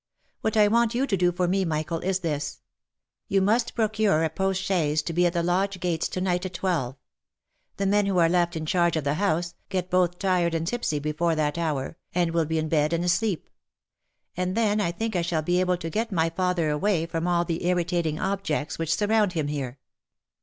What I want you to do for me, Michael, is this : You must procure a postchaise to be at the Lodge gates to night at twelve. The men who are left in charge of the house, get both tired and tipsy before that hour, and will be in bed and asleep ; and then I think I shall be able to get my poor father away from all the irritating objects which surround him here.